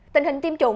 tình hình tiêm chủng